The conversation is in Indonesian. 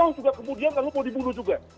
atau juga kemudian kalau mau dibunuh juga